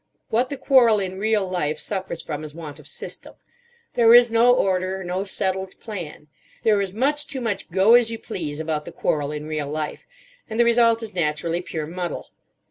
What the quarrel in real life suffers from is want of system. There is no order, no settled plan. There is much too much go as you please about the quarrel in real life, and the result is naturally pure muddle.